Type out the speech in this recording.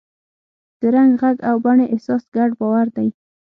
د رنګ، غږ او بڼې احساس ګډ باور دی.